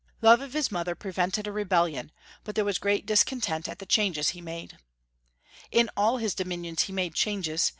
Love of his mother prevented a re bellion, but there was great discontent at the changes he made. In all his dominions he made changes.